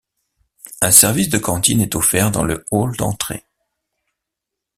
Un service de cantine est offert dans le hall d'entrée.